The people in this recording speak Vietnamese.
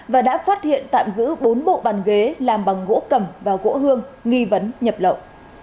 và đã phát hiện tạm giữ bốn bộ bàn ghế làm bằng gỗ cầm và gỗ hương nghi vấn nhập lậu